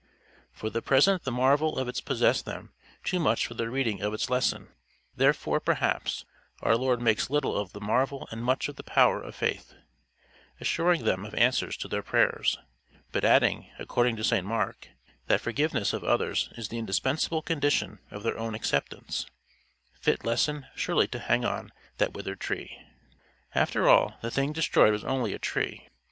For the present the marvel of it possessed them too much for the reading of its lesson; therefore, perhaps, our Lord makes little of the marvel and much of the power of faith; assuring them of answers to their prayers, but adding, according to St Mark, that forgiveness of others is the indispensable condition of their own acceptance fit lesson surely to hang on that withered tree. After all, the thing destroyed was only a tree.